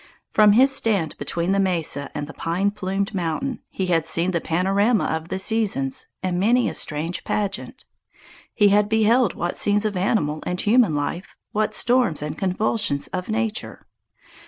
From his stand between the Mesa and the pine plumed mountain, he had seen the panorama of the seasons and many a strange pageant; he had beheld what scenes of animal and human strife, what storms and convulsions of nature!